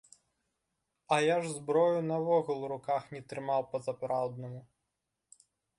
А я ж зброю наогул у руках не трымаў па-сапраўднаму.